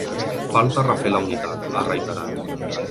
Falta refer la unitat, ha reiterat.